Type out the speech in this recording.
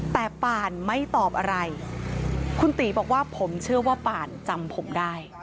แต่ปานไม่ตอบอะไรคุณตีบอกว่าผมเชื่อว่าปานจำผมได้